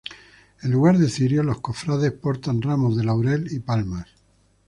En lugar de cirios los cofrades portan ramos de laurel y palmas.